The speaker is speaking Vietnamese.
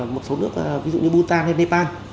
một số nước ví dụ như bhutan hay nepal